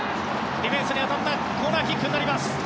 ディフェンスに当たってコーナーキックになります。